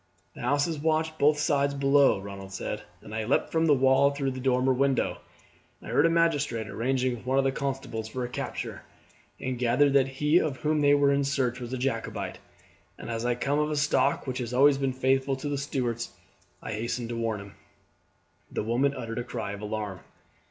"The house is watched both sides below," Ronald said, "and I leapt from the wall through the dormer window. I heard a magistrate arranging with one of the constables for a capture, and gathered that he of whom they were in search was a Jacobite, and as I come of a stock which has always been faithful to the Stuarts, I hastened to warn him." The woman uttered a cry of alarm.